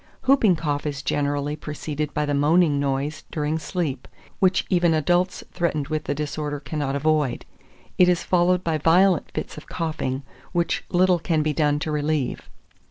2408. Hooping Cough is generally preceded by the moaning noise during sleep, which even adults threatened with the disorder cannot avoid: it is followed by violent fits of coughing, which little can be done to relieve.